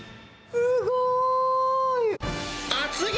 すごーい。